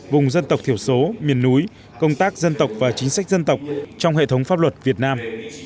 vùng dân tộc thiểu số miền núi công tác dân tộc và chính sách dân tộc trong hệ thống pháp luật việt nam